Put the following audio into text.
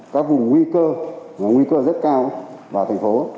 các vùng nguy cơ nguy cơ rất cao vào thành phố